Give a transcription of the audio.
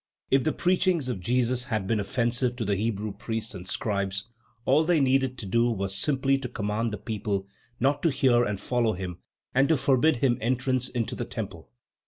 If the preachings of Jesus had been offensive to the Hebrew priests and scribes, all they needed to do was simply to command the people not to hear and follow him, and to forbid him entrance into the temple.